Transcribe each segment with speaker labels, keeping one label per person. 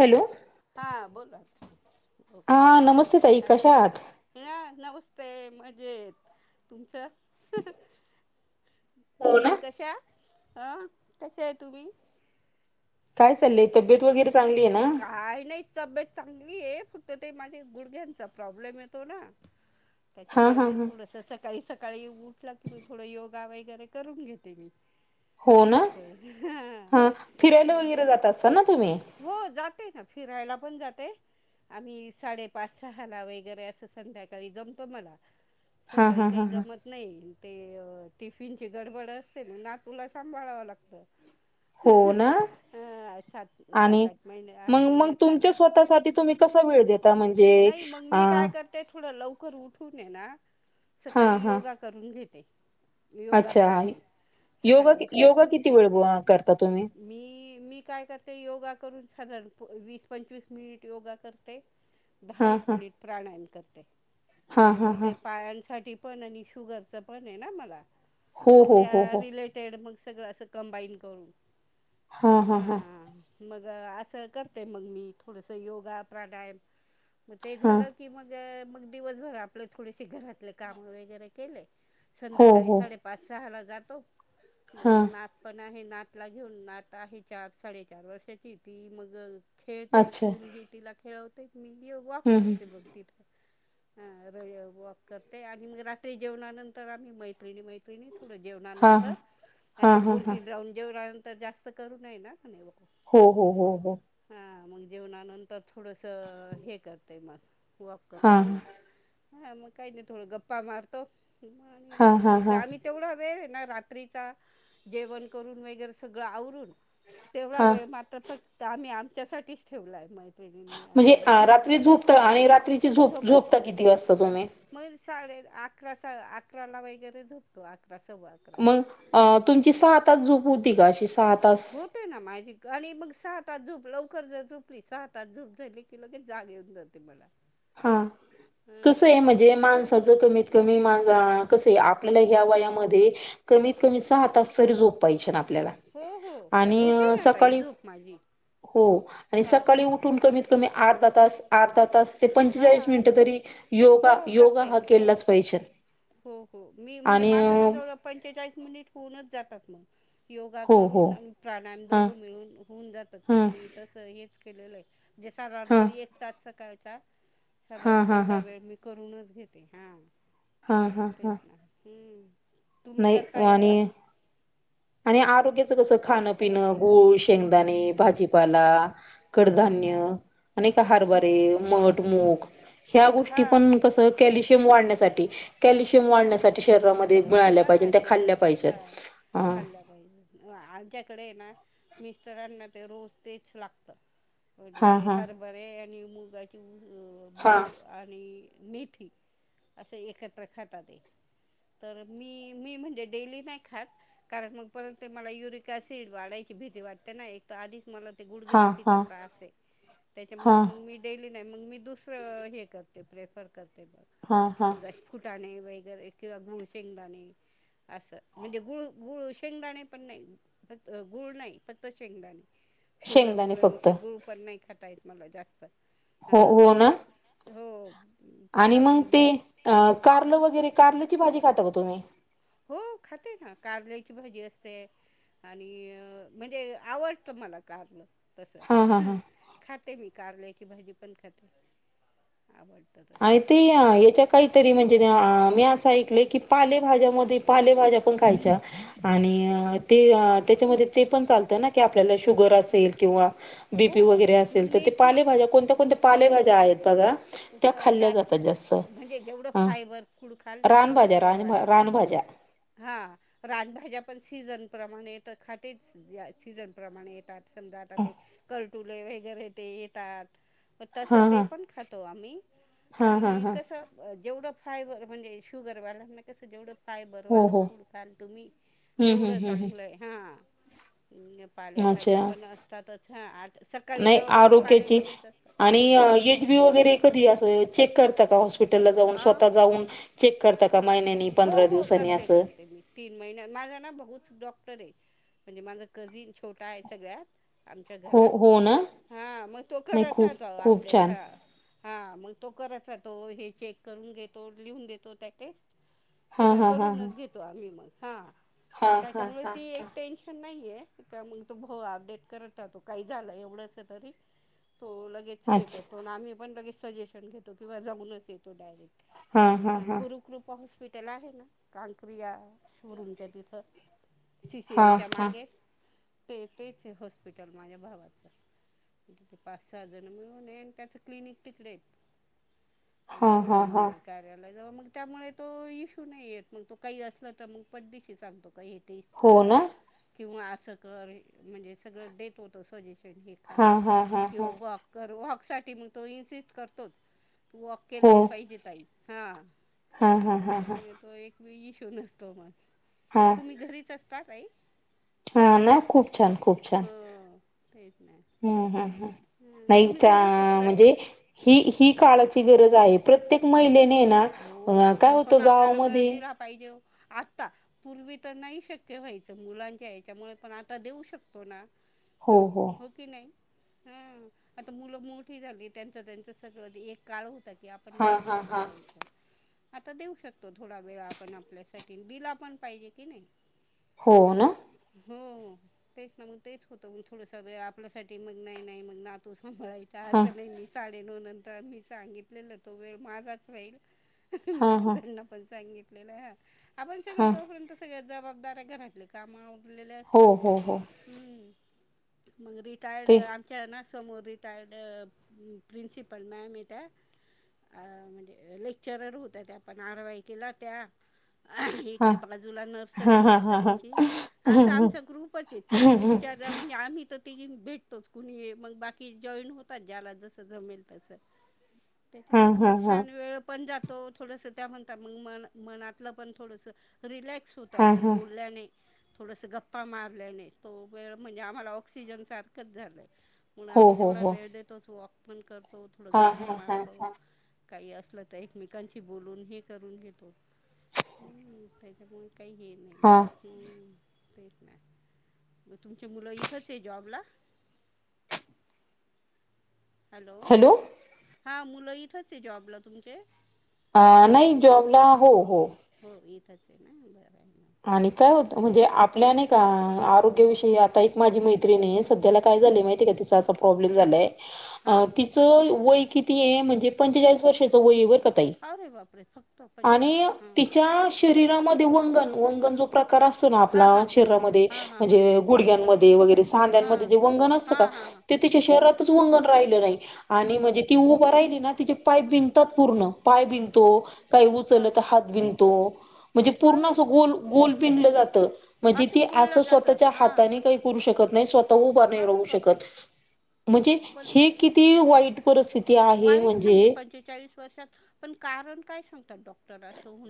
Speaker 1: Hello
Speaker 2: हा बोला
Speaker 1: हा नमस्ते ताई कशा आहात
Speaker 2: मी मजेत तुमचं
Speaker 1: हो ना
Speaker 2: तुम्ही कशा हह कसे आहे तुम्ही
Speaker 1: काय चाले तब्येत वगर
Speaker 2: काय नाही तब्येत चांगली ये फक्त ते माझे गुडघ्यांचा प्रॉब्लेम येतो ना
Speaker 1: हा
Speaker 2: त्याच्यामुळे
Speaker 1: हा
Speaker 2: मग
Speaker 1: हा
Speaker 2: थोडस सकाळी सकाळी उठलं की मग थोड योगा वगैरे करून घेते मी
Speaker 1: हो ना
Speaker 2: असं हां
Speaker 1: हा फिरायला
Speaker 2: मग ते
Speaker 1: वगैरे जात असता ना तुम्ही
Speaker 2: हो जाते ना फिरायला पण जाते आम्ही साडेपाच सहाला वगैरे असं संध्याकाळी जमतो मला
Speaker 1: हा
Speaker 2: सकाळी
Speaker 1: हा हा
Speaker 2: काही
Speaker 1: हा
Speaker 2: जमत नाही ते टिफिन ची गडबड असते ना नातूला सांभाळावं लागत
Speaker 1: हो ना
Speaker 2: ह सत सत
Speaker 1: आणि मग मग तुमच्या स्वतः सा तुम्ही कसा वेळ देता म्हणजे अ
Speaker 2: कर उठून ना
Speaker 1: हा
Speaker 2: सकाळी
Speaker 1: हा
Speaker 2: योगा करून घेते योगा
Speaker 1: अच्छा
Speaker 2: प्राणाम
Speaker 1: योगा
Speaker 2: सकाळी उठले
Speaker 1: योगा
Speaker 2: का
Speaker 1: किती वेळ ब- करता तुम्ही
Speaker 2: मी मी काय करते योगा करून साधारण वीस पंचवीस मिनिट योगा करते दहा
Speaker 1: हा
Speaker 2: एक
Speaker 1: हा
Speaker 2: मिनिट प्राणायाम करते
Speaker 1: हा
Speaker 2: म्हणजे
Speaker 1: हा
Speaker 2: मग
Speaker 1: हा
Speaker 2: ते पायांसाठी पण आणि शुगरच पण आहे ना मला
Speaker 1: हो
Speaker 2: मग
Speaker 1: हो हो
Speaker 2: त्या
Speaker 1: हो
Speaker 2: रिलेटेड मग सगळं असं कंबाईन करून
Speaker 1: हा हा हा.
Speaker 2: हां मग असं करते मग मी थोडंसं योगा प्राणायाम. मग ते
Speaker 1: हा
Speaker 2: झालं की मग मग दिवसभर आपले थोडेसे घरातले काम वगैरे केले.
Speaker 1: हो
Speaker 2: संध्याकाळी
Speaker 1: हो
Speaker 2: साडेपाच सहाला जातो मग
Speaker 1: हा
Speaker 2: नात पण आहे नातला घेऊन नात आहे चार साडेचार वर्षाची ती मग खेळते
Speaker 1: अच्छा
Speaker 2: मुलगी तिला खेळवते मी वॉक
Speaker 1: हम्म हम्म.
Speaker 2: करते बघ तिथं अ रवी वॉक करते आणि मग रात्री जेवणानंतर आम्ही मैत्रिणी मैत्रिणी मैत्रीणीनी ते नाही थोड
Speaker 1: हा हा
Speaker 2: जेवणानंतर
Speaker 1: हा
Speaker 2: असं
Speaker 1: हा
Speaker 2: दोन
Speaker 1: हा
Speaker 2: तीन राउड जेवणा नंतर तर जास्त करू नये ना
Speaker 1: हो हो हो हो.
Speaker 2: हा मग जेवणानंतर थोडस हे करते मग वॉक
Speaker 1: हा
Speaker 2: करते मग हा मग काही नाही थोडं गप्पा मारतो आणि
Speaker 1: हा
Speaker 2: बस
Speaker 1: हा
Speaker 2: मग
Speaker 1: हा
Speaker 2: आम्ही तेवढा वेळ ये ना रात्रीचा जेवण करून वगैरे सगळं आवरून तेवढा
Speaker 1: हा
Speaker 2: वेळ फक्त आम्ही आमच्यासाठीच ठेवलाय माहि
Speaker 1: म्हणजे रात्री झोपता आणि रात्रीची झोप
Speaker 2: झोपायच्या
Speaker 1: झोपता किती वाजता तुम्ही?
Speaker 2: मग साडे अकरा अकराला वगैरे झोपतो सव्वा अकराला
Speaker 1: मग अ तुमची
Speaker 2: ह
Speaker 1: सहा तास झोप होती का अशी सहा? तास
Speaker 2: होते ना माझी खाली मग सहा तास झोपलो लवकर जर झोपली सहा तास झोप झाली की लगेच जाग येऊन जाते मला.
Speaker 1: हा
Speaker 2: ह
Speaker 1: कसये म्हणजे माणसाच तुम्ही कमी मा कसं आपल्याला ह्या वयामध्ये कमीत कमी सहा तास तरी झोप पाहिजे. आपल्याला
Speaker 2: हो हो
Speaker 1: आणि
Speaker 2: होते ना ताई
Speaker 1: सकाळी
Speaker 2: झोप माझी.
Speaker 1: हो आणि
Speaker 2: सहा
Speaker 1: सकाळी
Speaker 2: तास
Speaker 1: उठून कमीत कमी अर्धा तास अर्धा तास ते
Speaker 2: हा
Speaker 1: पंचेचाळीस मिनिटं तरी
Speaker 2: हो
Speaker 1: योगा योगा
Speaker 2: करते
Speaker 1: हा
Speaker 2: हो
Speaker 1: केलाच पाहिजे.
Speaker 2: हो हो मी म्हणजे
Speaker 1: आणि
Speaker 2: माझा ना जवळजवळ पंचेचाळीस मिनिटं होऊनच जातात. योगा
Speaker 1: हो हो
Speaker 2: करून आणि प्राणायाम दोघ
Speaker 1: हा
Speaker 2: मिळून होऊन
Speaker 1: हा
Speaker 2: जातात मी तसं हे केलेलं आहे जे साधारण
Speaker 1: हा
Speaker 2: तो एक तास सकाळचा
Speaker 1: हा
Speaker 2: सगळाच
Speaker 1: हा
Speaker 2: तेवढा
Speaker 1: हा
Speaker 2: वेळ मी करूनच घेते हा
Speaker 1: हा हा
Speaker 2: तेच
Speaker 1: हा
Speaker 2: ना हम्म. तुम्ही
Speaker 1: नाही
Speaker 2: करता
Speaker 1: वाणी
Speaker 2: योगा?
Speaker 1: आणि आरोग्याचं कसं खाणं पिणं गुळ शेंगदाणे भाजीपाला कडधान्य
Speaker 2: हा
Speaker 1: अनेक हरबारे मठ मूग ह्या गोष्टी पण कसं कॅल्शियम वाढण्यास त्यासाठी कॅल्शियम
Speaker 2: हा.
Speaker 1: वाढण्यासाठी शरीरामध्ये वाढल्या पाहिजे त्या खाल्यापाहिजे
Speaker 2: खाल्ल्या पाहिजे आमच्याकडे ना मिस्टरांना ते रोज तेच लागतं. म्हणजे
Speaker 1: हा
Speaker 2: ते
Speaker 1: हा
Speaker 2: हरभरे आणि मुगाचे
Speaker 1: हा
Speaker 2: मुग आणि मेथी असे एकत्र खातात. तर मी मी म्हणजे डेली नाही खात कारण मग परत ते मला युरिक सिड वाढायची भीती वाटे एकतर अधिक
Speaker 1: हा
Speaker 2: गुडघेदुखीचा
Speaker 1: हा
Speaker 2: त्रास ये त्याचा मुळे
Speaker 1: हा
Speaker 2: मी डेली नाही मग मी दुसर हे करते प्रेफर मग
Speaker 1: हा हा
Speaker 2: समजा फुटाणे वय ग एकदा गुळ शेंगदाणे असं म्हणजे गुळ गुळ शेंगदाणे पण नाही फ गुळ नाही फक्त शेंगदाणे शुगर
Speaker 1: शेंगदाणे फक्त
Speaker 2: मुळे गुळ पण नाही खाता येत मला जास्त.
Speaker 1: हो
Speaker 2: हां
Speaker 1: हो ना.
Speaker 2: हो.
Speaker 1: आणि
Speaker 2: चहा
Speaker 1: मग
Speaker 2: पण
Speaker 1: ते
Speaker 2: बिन
Speaker 1: अ
Speaker 2: हां
Speaker 1: कारलं वगैरे कारलची भाजी खाताका तुम्ही?
Speaker 2: हो खाते ना कारल्याची भाजी असतें. आणि म्हणजे आवडत मला कारल. तसं
Speaker 1: हा हा हा
Speaker 2: खाते मी कारल ची भाजी पण खाते. आवडतं तसं
Speaker 1: आणि ते याच्या काहीतरी म्हणजे मी असा एक. पाले भाज्या मध्ये पालेभज्या पण खायच्या आणि ते त्याच्यामध्ये ते पण चालतं ना की आपल्याला शुगर असेल किंवा.? बी.
Speaker 2: हो
Speaker 1: पी वगैरे
Speaker 2: मग
Speaker 1: असेल तर. ते
Speaker 2: मेथी
Speaker 1: पालेभाज्या कोणत्या-कोणत्या पालेभाज्या आहेत बघा. त्या
Speaker 2: क-
Speaker 1: खाल्ल्या
Speaker 2: त्याच
Speaker 1: जातात जास्त.
Speaker 2: म्हणजे जेवढं
Speaker 1: हा
Speaker 2: फायबर फूड खाल ना तुम्ही
Speaker 1: रानभाज्या रान
Speaker 2: शुगरवाल्यांनी.
Speaker 1: रानभाज्या
Speaker 2: हा राजभाज्या पण सीजन प्रमाणे खातेच सीजनप्रमाणे येतात समजा आता ते कर कर्टुले वगरे ते येतात. तस
Speaker 1: हा
Speaker 2: ते
Speaker 1: हा
Speaker 2: पण खात. आम्ही
Speaker 1: हा हा हा
Speaker 2: जेवढ फायबर म्हणजे शुगरवाल्यांना कस जेवढ. काय फायबर
Speaker 1: हो
Speaker 2: वालं
Speaker 1: हो
Speaker 2: फूड खाल तुम्ही.
Speaker 1: हम्म हम्म
Speaker 2: तेवढं
Speaker 1: हम्म
Speaker 2: चांगलंय हा.
Speaker 1: हम्म
Speaker 2: पालेभाज्या
Speaker 1: अच्छा
Speaker 2: पण असतातच हां. आ सकाळी
Speaker 1: नाही
Speaker 2: जवळपास
Speaker 1: आरोग्याची
Speaker 2: पालेभाज्याच असतात हो.
Speaker 1: आणि एच. बी. वगैरे चेक करता का हॉस्पिटलला जाऊन
Speaker 2: आ
Speaker 1: स्वतः जाऊन. का महिन्यानी
Speaker 2: हो.
Speaker 1: पंधरा
Speaker 2: हो.
Speaker 1: दिवसांनी असं
Speaker 2: करते-करते तीन महिन्या माझा ना डॉक्टर आहे. म्हणजे माझं कझिन छोटा आहे सगळ्यात. आमच्या
Speaker 1: हो
Speaker 2: घरात.
Speaker 1: हो ना
Speaker 2: हा मग तो
Speaker 1: नाही
Speaker 2: करत
Speaker 1: खूप
Speaker 2: राहतो.
Speaker 1: खूप
Speaker 2: अपडेट
Speaker 1: छान
Speaker 2: हा. हा. मग तो करत राहतो. हे चेक करून घेतो. लिहून देतो. त्या काय.
Speaker 1: हा
Speaker 2: सगळं
Speaker 1: हा हा
Speaker 2: करूनच घेतो आम्ही. मग हा
Speaker 1: हा हा हा
Speaker 2: त्याच्यामुळे
Speaker 1: हा
Speaker 2: ते एक टेन्शन नाही. मग तो अपडेट करत राहातो. काही झालं एवढं तरी. तो लगेच हे
Speaker 1: अच्छा
Speaker 2: करतो. आणि आम्ही पण लगेच सजेशन घेतो किंवा जाऊनच येतो. तो
Speaker 1: हा हा
Speaker 2: डायरेक्ट
Speaker 1: हा
Speaker 2: गुरुकृप हॉस्पिटल आहे ना कांक्रिया.? शोरूमच्या तिथं सी. सी.
Speaker 1: हा
Speaker 2: एमच्या
Speaker 1: हा
Speaker 2: मागे. ते तेच आहे हॉस्पिटल माझ्या भावाचं. पाच-सहा जण मिळून त्याच क्लिनिक तिकडे आहेत. अ
Speaker 1: हा
Speaker 2: गुळी
Speaker 1: हा हा
Speaker 2: मंगल कार्यालय जवळ मग त्यामुळे. तो इश्यू नाही येत. मग तो काही असला तर मग पद्दशीर सांगतो. काही. तस
Speaker 1: हो
Speaker 2: करा.
Speaker 1: ना
Speaker 2: किंवा असं कर. म्हणजे सगळं देत होत सजेशन. खा
Speaker 1: हा हा हा
Speaker 2: किंवा
Speaker 1: हा
Speaker 2: वॉक-वॉक साठी मग तो इसट करतोच. वौक
Speaker 1: हो
Speaker 2: केलच पाहिजे ताई. हा
Speaker 1: हा हा हा हा
Speaker 2: त्याच्यामुळे तो एक. ईशो नसतो. मग
Speaker 1: हा
Speaker 2: तुम्ही घरीच असता आई?
Speaker 1: हा ना खूप छान. खूप छान.
Speaker 2: हो तेच नाही
Speaker 1: हम. हम्. हम.
Speaker 2: हं तुम्ही
Speaker 1: ताईंच्या
Speaker 2: घरीच असतात
Speaker 1: म्हणजे ही. ही काळच. ची गरज आहे. प्रत्येक महिलेने ना
Speaker 2: हो
Speaker 1: काय होत गावामध्ये.
Speaker 2: आता पूर्वी तर नाही शक्य व्हायचं. मुलांच्या याच्यामुळे पण आता देऊ शकतो ना. हो की नाही.? हा आता मुलं मोठी झाली. त्यांच-त्यांच सगळं एक काळ होत. की आपण
Speaker 1: हा
Speaker 2: नाहीच
Speaker 1: हा हा
Speaker 2: [unintelligible] आता देऊ शकतो थोडा वेळ आपण आपल्यासाठी, अन दिला पण पाहिजे कि नाही.
Speaker 1: हो ना.
Speaker 2: हो तेच ना मग तेच होतं, मग थोडसा वेळ आपल्यासाठी मग नाही नाही मग नातू मला इथ
Speaker 1: हा
Speaker 2: असं नाही मी साडे नऊ नंतर मी सांगितलेलं तो वेळ माझाच राहील.
Speaker 1: हा हा
Speaker 2: मिस्टरांना पण सांगितलेलं, ह आपण सगळं
Speaker 1: हा
Speaker 2: तोपर्यंत सगळं जबाबदऱ्या घरातले काम आवरलेले
Speaker 1: हो
Speaker 2: असतात,
Speaker 1: हो हो
Speaker 2: हम्म. मग रिटायर्ड
Speaker 1: ते
Speaker 2: आमच्या ना समोर रिटायर्ड अ प्रिंसिपल मॅम हायत्या अ म्हणजे लय चरड होत्या त्या, पण आरवाईकिला त्या
Speaker 1: हा
Speaker 2: इकडे बाजूला
Speaker 1: हा
Speaker 2: नर्सरी
Speaker 1: हा
Speaker 2: त्या
Speaker 1: हा हा
Speaker 2: ताईंची, असा
Speaker 1: हा
Speaker 2: आमचा ग्रुपच आहे तीन चार म्हणजे आम्ही तर तिघी भेटतोच कुणी मग बाकी जॉईन होतात ज्याला जसं जमेल तसंं.
Speaker 1: हा
Speaker 2: त्याच्यामुळे मग
Speaker 1: हा हा
Speaker 2: छान वेळ जातो थोडस त्या म्हणता मंग मना मनातला पण थोडंसं रिलॅक्स होत
Speaker 1: हा
Speaker 2: आपण
Speaker 1: हा
Speaker 2: बोलल्याने. थोडस गप्पा मारल्याने तो वेळ म्हणजे आम्हाला ऑक्सिजन सारखंच झालंय. म्हणून
Speaker 1: हो
Speaker 2: आम्ही
Speaker 1: हो
Speaker 2: तेवढा
Speaker 1: हो
Speaker 2: वेळ देतोच, वॉक पण करतो. थोड
Speaker 1: हा
Speaker 2: गप्पा
Speaker 1: हा हा
Speaker 2: मारतो.
Speaker 1: हा
Speaker 2: काही असलं त एकमेकांशी बोलून हे करून घेतो, हूं त्याच्यामुळे काही हे नाही
Speaker 1: हा
Speaker 2: नाय हूं तेच ना, म तुमची मुलं इथंचये जॉबला. हॅलो हा मुलं इथचये जॉबला तुमचे.
Speaker 1: अ नाही जॉबला हो हो.
Speaker 2: हो इथचये ना बरंय.
Speaker 1: आणि काय होत म्हणजे आपल्या नईका आरोग्याविषयी आता एक माझी मैत्रीणे सध्याला काय झाले माहीते का तीचा असा प्रॉब्लेमे झालाय
Speaker 2: हां
Speaker 1: तिच वय कितीय म्हणजे पंचेचाळीस वर्षाच वय बर का ताई
Speaker 2: अरे बापरे फक्त
Speaker 1: आणि
Speaker 2: पंचेचाळीस
Speaker 1: तिच्या शरीरामध्ये वंगन वंगन जो प्र कार असतो ना आप
Speaker 2: हां हां
Speaker 1: शरीरा मध्ये,
Speaker 2: हां हां हां हां
Speaker 1: म्हणजे गुडघ्यांमध्ये वगैरे सांद्यांमध्ये
Speaker 2: हां
Speaker 1: जे वंगन असत का?
Speaker 2: हां हां हां
Speaker 1: ते तिच्या शरीरात वंगण राहिलं नाही आणि म्हणजे ती उभं राहिली ना तिचे पाय बीगंतात पूर्ण, पाय बीगंतो. काही उचल
Speaker 2: हां
Speaker 1: तर हात बिगतो म्हणजे पूर्ण
Speaker 2: अरे
Speaker 1: असं
Speaker 2: बापरे
Speaker 1: गोल गोल बिणलं जातं. म्हणजे ती
Speaker 2: पिळलं
Speaker 1: असं
Speaker 2: जातं
Speaker 1: स्वतःच्या
Speaker 2: हां
Speaker 1: हाताने काही करू शकत नाही, स्वतः उभं नाही
Speaker 2: अरे
Speaker 1: राहू शकत.
Speaker 2: बापरे
Speaker 1: म्हणजे
Speaker 2: पण
Speaker 1: हे किती वाईट परस्थिती आहे म्हणजे
Speaker 2: कशात पण कारण काय सांगतात डॉक्ट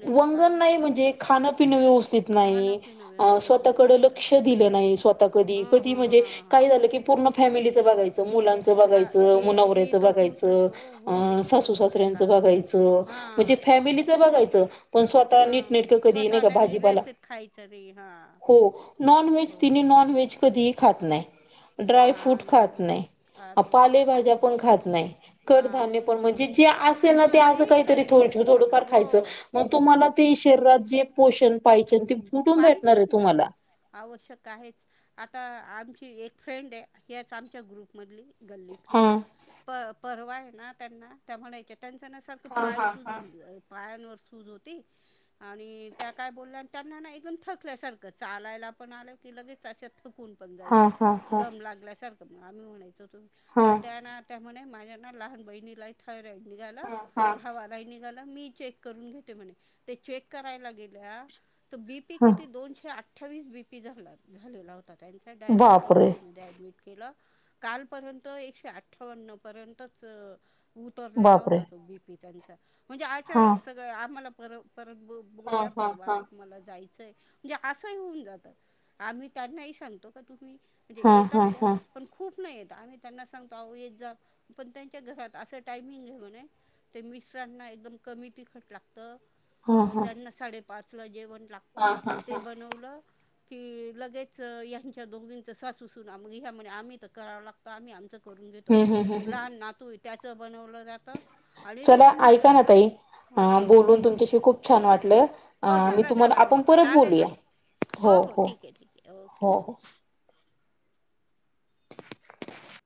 Speaker 1: वंगन नाही म्हणजे खाणपिणं व्यवस्थित
Speaker 2: खाणं
Speaker 1: नाही.
Speaker 2: पिणं
Speaker 1: अ
Speaker 2: व्यवस्थित नाही
Speaker 1: स्वतःकड
Speaker 2: अच्छा
Speaker 1: लक्ष दील नाही स्वतः कधी,
Speaker 2: हां
Speaker 1: कधी
Speaker 2: हां हां
Speaker 1: म्हणजे
Speaker 2: हां हां
Speaker 1: काही झाल की पूर्ण फॅमिलीच बघाय चं मुलांचं
Speaker 2: हां
Speaker 1: बघायचं
Speaker 2: ते
Speaker 1: म
Speaker 2: ते
Speaker 1: नवरऱ्याचं
Speaker 2: तर होतच
Speaker 1: बघायचं
Speaker 2: हो
Speaker 1: अ
Speaker 2: होतच
Speaker 1: सासू
Speaker 2: खरं त्या
Speaker 1: सासऱ्यांच
Speaker 2: काळात
Speaker 1: बघायचं. म्हणजे
Speaker 2: हां
Speaker 1: फॅमिलीच बघ घायचं पण स्वतः
Speaker 2: हां
Speaker 1: नीटनीटक कधी नही
Speaker 2: स्वतः
Speaker 1: का
Speaker 2: नाही
Speaker 1: भाजीपाला
Speaker 2: व्यवस्थित खायचं रे हां
Speaker 1: हो नॉन वेज
Speaker 2: खूप
Speaker 1: तिनी नॉनव्हेज कधी ही खात नाय. ड्राय
Speaker 2: हा
Speaker 1: फ्रूट
Speaker 2: नाही
Speaker 1: खात नाय,
Speaker 2: म्हणते
Speaker 1: अ
Speaker 2: अरे बापरे
Speaker 1: पालेभाज्या पण खात नाय,
Speaker 2: हा
Speaker 1: कडधान्य
Speaker 2: मग
Speaker 1: पण
Speaker 2: ते
Speaker 1: म्हणजे जे असेल ना
Speaker 2: मग
Speaker 1: ते असं
Speaker 2: हेच
Speaker 1: काहीतरी
Speaker 2: साईड
Speaker 1: थो
Speaker 2: इफेक्ट आहे ना
Speaker 1: थोडंफार खायचं
Speaker 2: हो
Speaker 1: मग तुम्हाला ते शरीरात जे पोषण पाहिजे ते कुठून भेटणार आहे
Speaker 2: पाहिजेच ना
Speaker 1: तुम्हाला
Speaker 2: आवश्यक आहेच आता आमच् ही एक फ्रेंडे ह्याच आमच्या ग्रुपमधली
Speaker 1: हा
Speaker 2: गल्लीतलीच प परवा ना त्यांना तुला म्हणायच्या त्यांच ना सारख पाय सुजून पायानवर सुज होती आणि त्या काय बोलल्या त्यांना ना एकदम थकल्यासारखं चालायला पण आलं की लगेच अशा थकून पण
Speaker 1: हा
Speaker 2: जायच्या
Speaker 1: हा हा
Speaker 2: दम लागल्यासारखं मग आम्ही म्हणायचो
Speaker 1: हा
Speaker 2: मग त्याना त्या म्हणे माझ्या ना लहान बहिणीलाई थायरॉईड निघाल
Speaker 1: हा
Speaker 2: भावालाही निघाल मी चेक करून घेते म्हणे, ते चेक करायला गेल्या त बीपी
Speaker 1: हा
Speaker 2: किती दोनशेआ अठ्ठावीस बी पी झाला झालेला होता त्यांचा डायरेक्ट आय
Speaker 1: बापरे
Speaker 2: सी यू मध्ये ॲडमिट केलं. कालपर्यंत एकशे अठ्ठावन्न पर्यंतच अ उतरलेला
Speaker 1: बापरे
Speaker 2: होता तो बी पी त्यांचा म्हणजे
Speaker 1: हा
Speaker 2: आचनक सगळ आम्हाला पर परत ब
Speaker 1: हा
Speaker 2: बोलल्या
Speaker 1: हा
Speaker 2: परवा
Speaker 1: हा
Speaker 2: का जायचय म्हणजे असही होऊन जात. आम्ही त्यांनाही सांगतो का तुम्ही म्हणजे
Speaker 1: हा
Speaker 2: येतात
Speaker 1: हा
Speaker 2: त्या
Speaker 1: हा हा
Speaker 2: पण खूप नाय येत. आम्ही त्यांना सांगतो आहो येत जा पण त्यांच्या घरात अस टायमिंग हे म्हणे ते मिस्टरांना एकदम कमी तिखट लागत.
Speaker 1: हा
Speaker 2: अ त्यांना साडेपाचला जेवण लागत
Speaker 1: हा
Speaker 2: ते
Speaker 1: हा
Speaker 2: बनवलं. की लगेच हयांच्या दोघींच सासूसूना मंग ह्या म्हणे आम्ही त कराव लागत. आम्ही आमच करुन घेतो
Speaker 1: हम्म हम्म
Speaker 2: मग
Speaker 1: हम्म
Speaker 2: लहान नातू ये त्याचं बनवलं जातं आणि
Speaker 1: चला
Speaker 2: तो
Speaker 1: ऐका
Speaker 2: मुलगा
Speaker 1: ना ताई अ
Speaker 2: हां
Speaker 1: बोलून तुमच्याशी खूप छान वाटलं
Speaker 2: हो
Speaker 1: अ मी
Speaker 2: झाला
Speaker 1: तुम्हाला
Speaker 2: झाला वेळ
Speaker 1: आपण परत
Speaker 2: चालेल
Speaker 1: बोलूया.
Speaker 2: ताई हो हो ठीके ठीके ओके.
Speaker 1: हो हो. [inaudible]